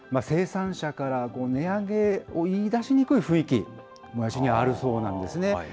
生産者から値上げを言いだしにくい雰囲気、もやしにはあるそうなんですね。